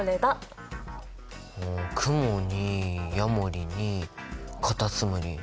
クモにヤモリにカタツムリ。